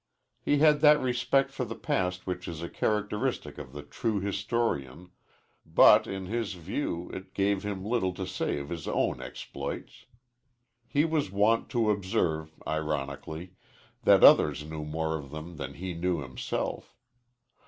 He had that respect for the past which is a characteristic of the true historian, but, in his view, it gave him little to say of his own exploits. He was wont to observe, ironically, that others knew more of them than he knew himself.